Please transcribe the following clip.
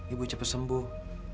ibu cepat sembuh